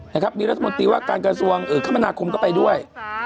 นะครับมีรัฐมนตรีว่าการกระทรวงคมนาคมก็ไปด้วย